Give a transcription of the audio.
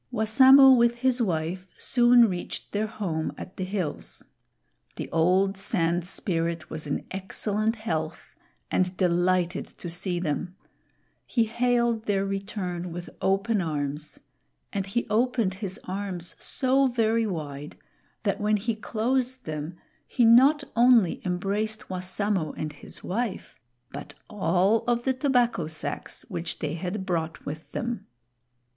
Wassamo with his wife soon reached their home at the hills. The old Sand Spirit was in excellent health and delighted to see them. He hailed their return with open arms; and he opened his arms so very wide, that when he closed them he not only embraced Wassamo and his wife, but all of the tobacco sacks which they had brought with them.